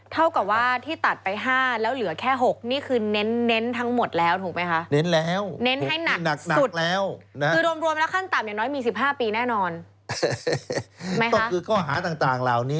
เท่ากับว่าที่ตัดไป๕แล้วเหลือแค่๖